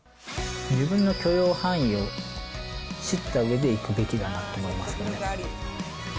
自分の許容範囲を知ったうえでいくべきだなと思いますね。